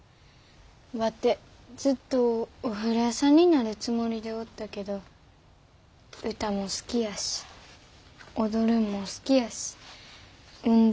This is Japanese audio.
ワテずっとお風呂屋さんになるつもりでおったけど歌も好きやし踊るんも好きやし運動も好きやし。